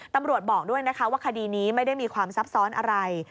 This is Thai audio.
บอกด้วยนะคะว่าคดีนี้ไม่ได้มีความซับซ้อนอะไร